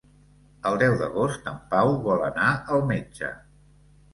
El deu d'agost en Pau vol anar al metge.